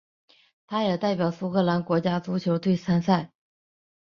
他也代表苏格兰国家足球队参赛。